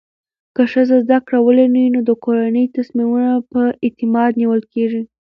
که ښځه زده کړه ولري، نو د کورنۍ تصمیمونه په اعتماد نیول کېږي.